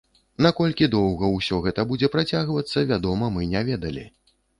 Наколькі доўга ўсё гэта будзе працягвацца, вядома, мы не ведалі.